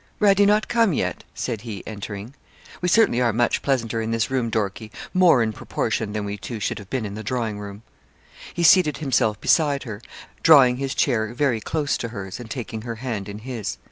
'Radie not come yet?' said he entering. 'We certainly are much pleasanter in this room, Dorkie, more, in proportion, than we two should have been in the drawing room.' He seated himself beside her, drawing his chair very close to hers, and taking her hand in his.